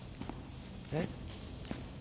えっ？